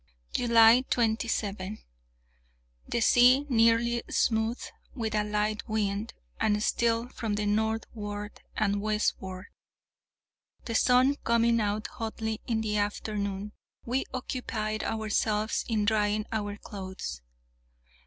July 27. The sea nearly smooth, with a light wind, and still from the northward and westward. The sun coming out hotly in the afternoon, we occupied ourselves in drying our clothes.